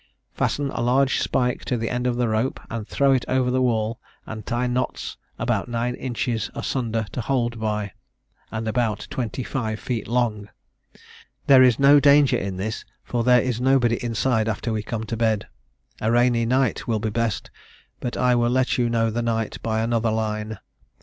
Fasten a large spike to the end of the rope, and throw it over the wall, and tie knots about nine inches asunder to hold by, and about twenty five feet long. There is no danger in this, for there is nobody inside after we come to bed. A rainy night will be best; but I will let you know the night by another line.